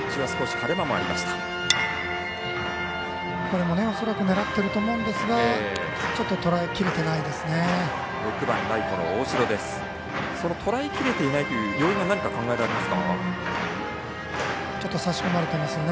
今のも恐らく狙っていると思いますがとらえきれていないですね。